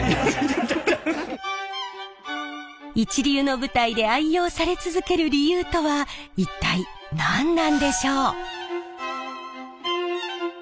一流の舞台で愛用され続ける理由とは一体何なんでしょう？